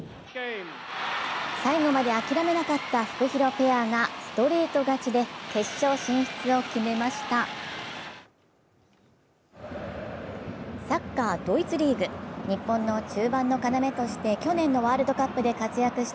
最後まで諦めなかったフクヒロペアがストレート勝ちで決勝進出を決めました。